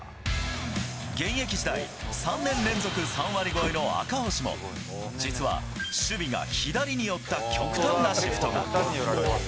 現役時代、３年連続３割超えの赤星も、実は守備が左に寄った極端なシフトが。